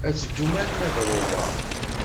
Ad teddum arma d Roma.